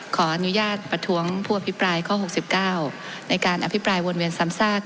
ขออนุญาตประท้วงผู้อภิปรายข้อ๖๙ในการอภิปรายวนเวียนซ้ำซาก